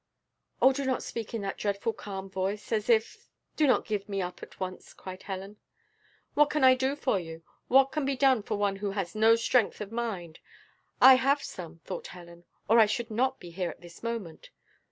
"Oh do not speak in that dreadful calm voice, as if do not give me up at once," cried Helen. "What can I do for you? what can be done for one who has no strength of mind?" I have some, thought Helen, or I should not be here at this moment.